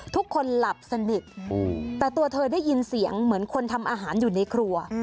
ทุกคนหลับสนิทแต่ตัวเธอได้ยินเสียงเหมือนคนทำอาหารอยู่ในครัว